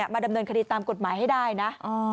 มาดำเนินคดีตามกฎหมายให้ได้นะ